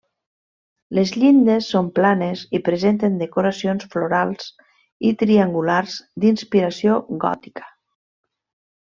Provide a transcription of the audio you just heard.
Les llindes són planes i presenten decoracions florals triangulars d'inspiració gòtica.